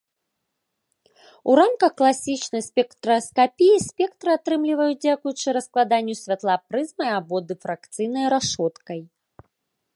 У рамках класічнай спектраскапіі спектр атрымліваюць дзякуючы раскладанню святла прызмай або дыфракцыйнай рашоткай.